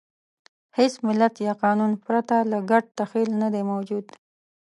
هېڅ ملت یا قانون پرته له ګډ تخیل نهدی موجود.